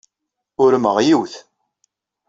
Urmeɣ yiwet.